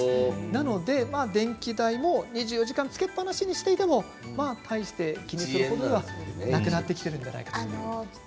なので電気代も２４時間つけっぱなしにしていても大して気にする程ではなくなってきてるんじゃないかと。